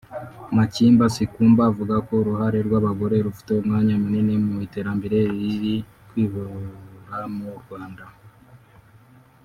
Muchimba Sikumba avuga ko uruhare rw’abagore rufite umwanya munini mu iterambere riri kwihura mu Rwanda